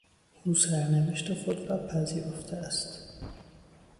او سرنوشت خود را پذیرفته است.